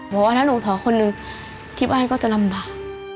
เพราะว่าถ้าหนูเผาคนอื่นทริปอ้ายก็จะลำบาก